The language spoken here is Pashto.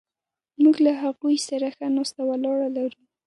موږ له هغوی سره ښه ناسته ولاړه لرو.